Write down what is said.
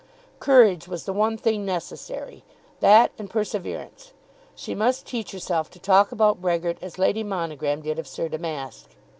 Courage was the one thing necessary, that and perseverance. She must teach herself to talk about Brehgert as Lady Monogram did of Sir Damask.